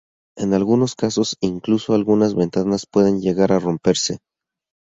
En algunos casos, incluso algunas ventanas pueden llegar a romperse.